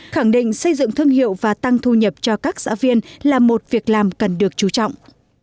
khẳng định xây dựng thương hiệu và tăng thu nhập cho các xã viên là một việc làm cần được chú trọng